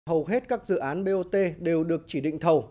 hầu hết các dự án bot đều được chỉ định thầu